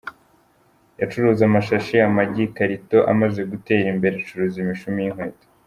Yacuruje amashashi, amagi, ikarito… amaze gutera imbere acuruza imishumi y’inkweto.